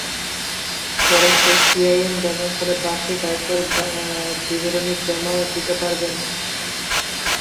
পরে সেই ই-টিআইএন ব্যবহার করে বার্ষিক আয়কর বিবরণী জমা দিতে পারবেন।